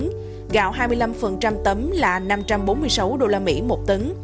gạo hai mươi năm tấm là năm trăm bốn mươi sáu đô la mỹ một tấn